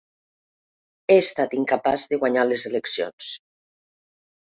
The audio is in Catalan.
He estat incapaç de guanyar les eleccions.